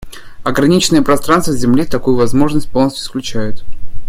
Ограниченное пространство Земли такую возможность полностью исключает.